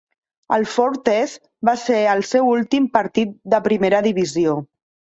El "Fourth Test" va ser el seu últim partit de primera divisió.